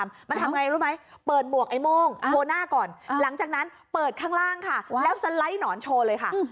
แล้วแซลดของหนอนแบบนี้เลยค่ะ